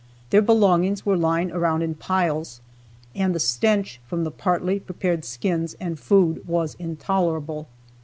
Their belongings were lying around in piles, and the stench from the partly prepared skins and food was intolerable.